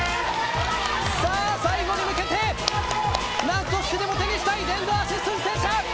さあ、最後に向けて何としてでも手にしたい電動アシスト自転車！